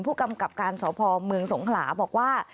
ผู้กำกับการสพเมืองสงขลาบอกว่า